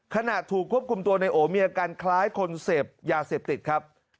ขณะถูกควบคุมตัวในโอมีอาการคล้ายคนเสพยาเสพติดครับ